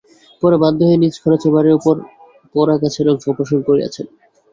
পরে বাধ্য হয়ে নিজ খরচে বাড়ির ওপর পড়া গাছের অংশ অপসারণ করিয়েছেন।